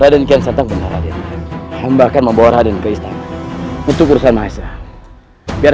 raden kian santan benar benar hamba akan membawa dan ke istana untuk urusan mahasiswa biar